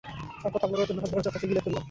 তারপর পাগলা গারদের লোহার দরজা তাকে গিলে ফেললো।